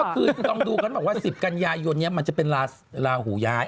คือต้องดูกันบอกว่า๑๐กันยายนนี้มันจะเป็นลาหูย้าย